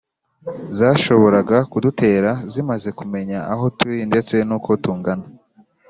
zashoboraga kudutera zimaze kumenya aho turi ndetse n'uko tungana